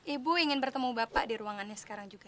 ibu ingin bertemu bapak di ruangannya sekarang juga